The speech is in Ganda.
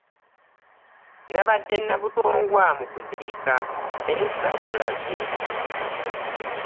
Nabadde Nabutongwa mu kuziika naye ssaakulabye!